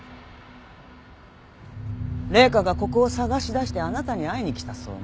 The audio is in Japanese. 麗華がここを捜し出してあなたに会いに来たそうね。